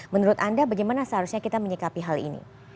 menurut anda bagaimana seharusnya kita menyikapi hal ini